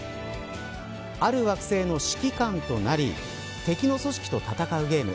ある惑星の指揮官となり敵の組織と戦うゲーム。